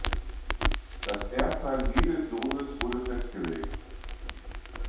Das Erbteil jedes Sohnes wurde festgelegt.